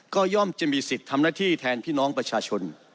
ก็ย่อมจะมีสิทธิ์ทำหน้าที่แทนพี่น้องประชาชน